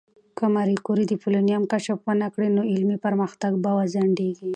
که ماري کوري د پولونیم کشف ونکړي، نو علمي پرمختګ به وځنډېږي.